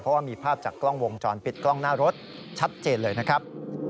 เพราะว่ามีภาพจากกล้องวงจรปิดกล้องหน้ารถชัดเจนเลยนะครับ